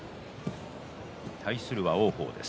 対するは王鵬です。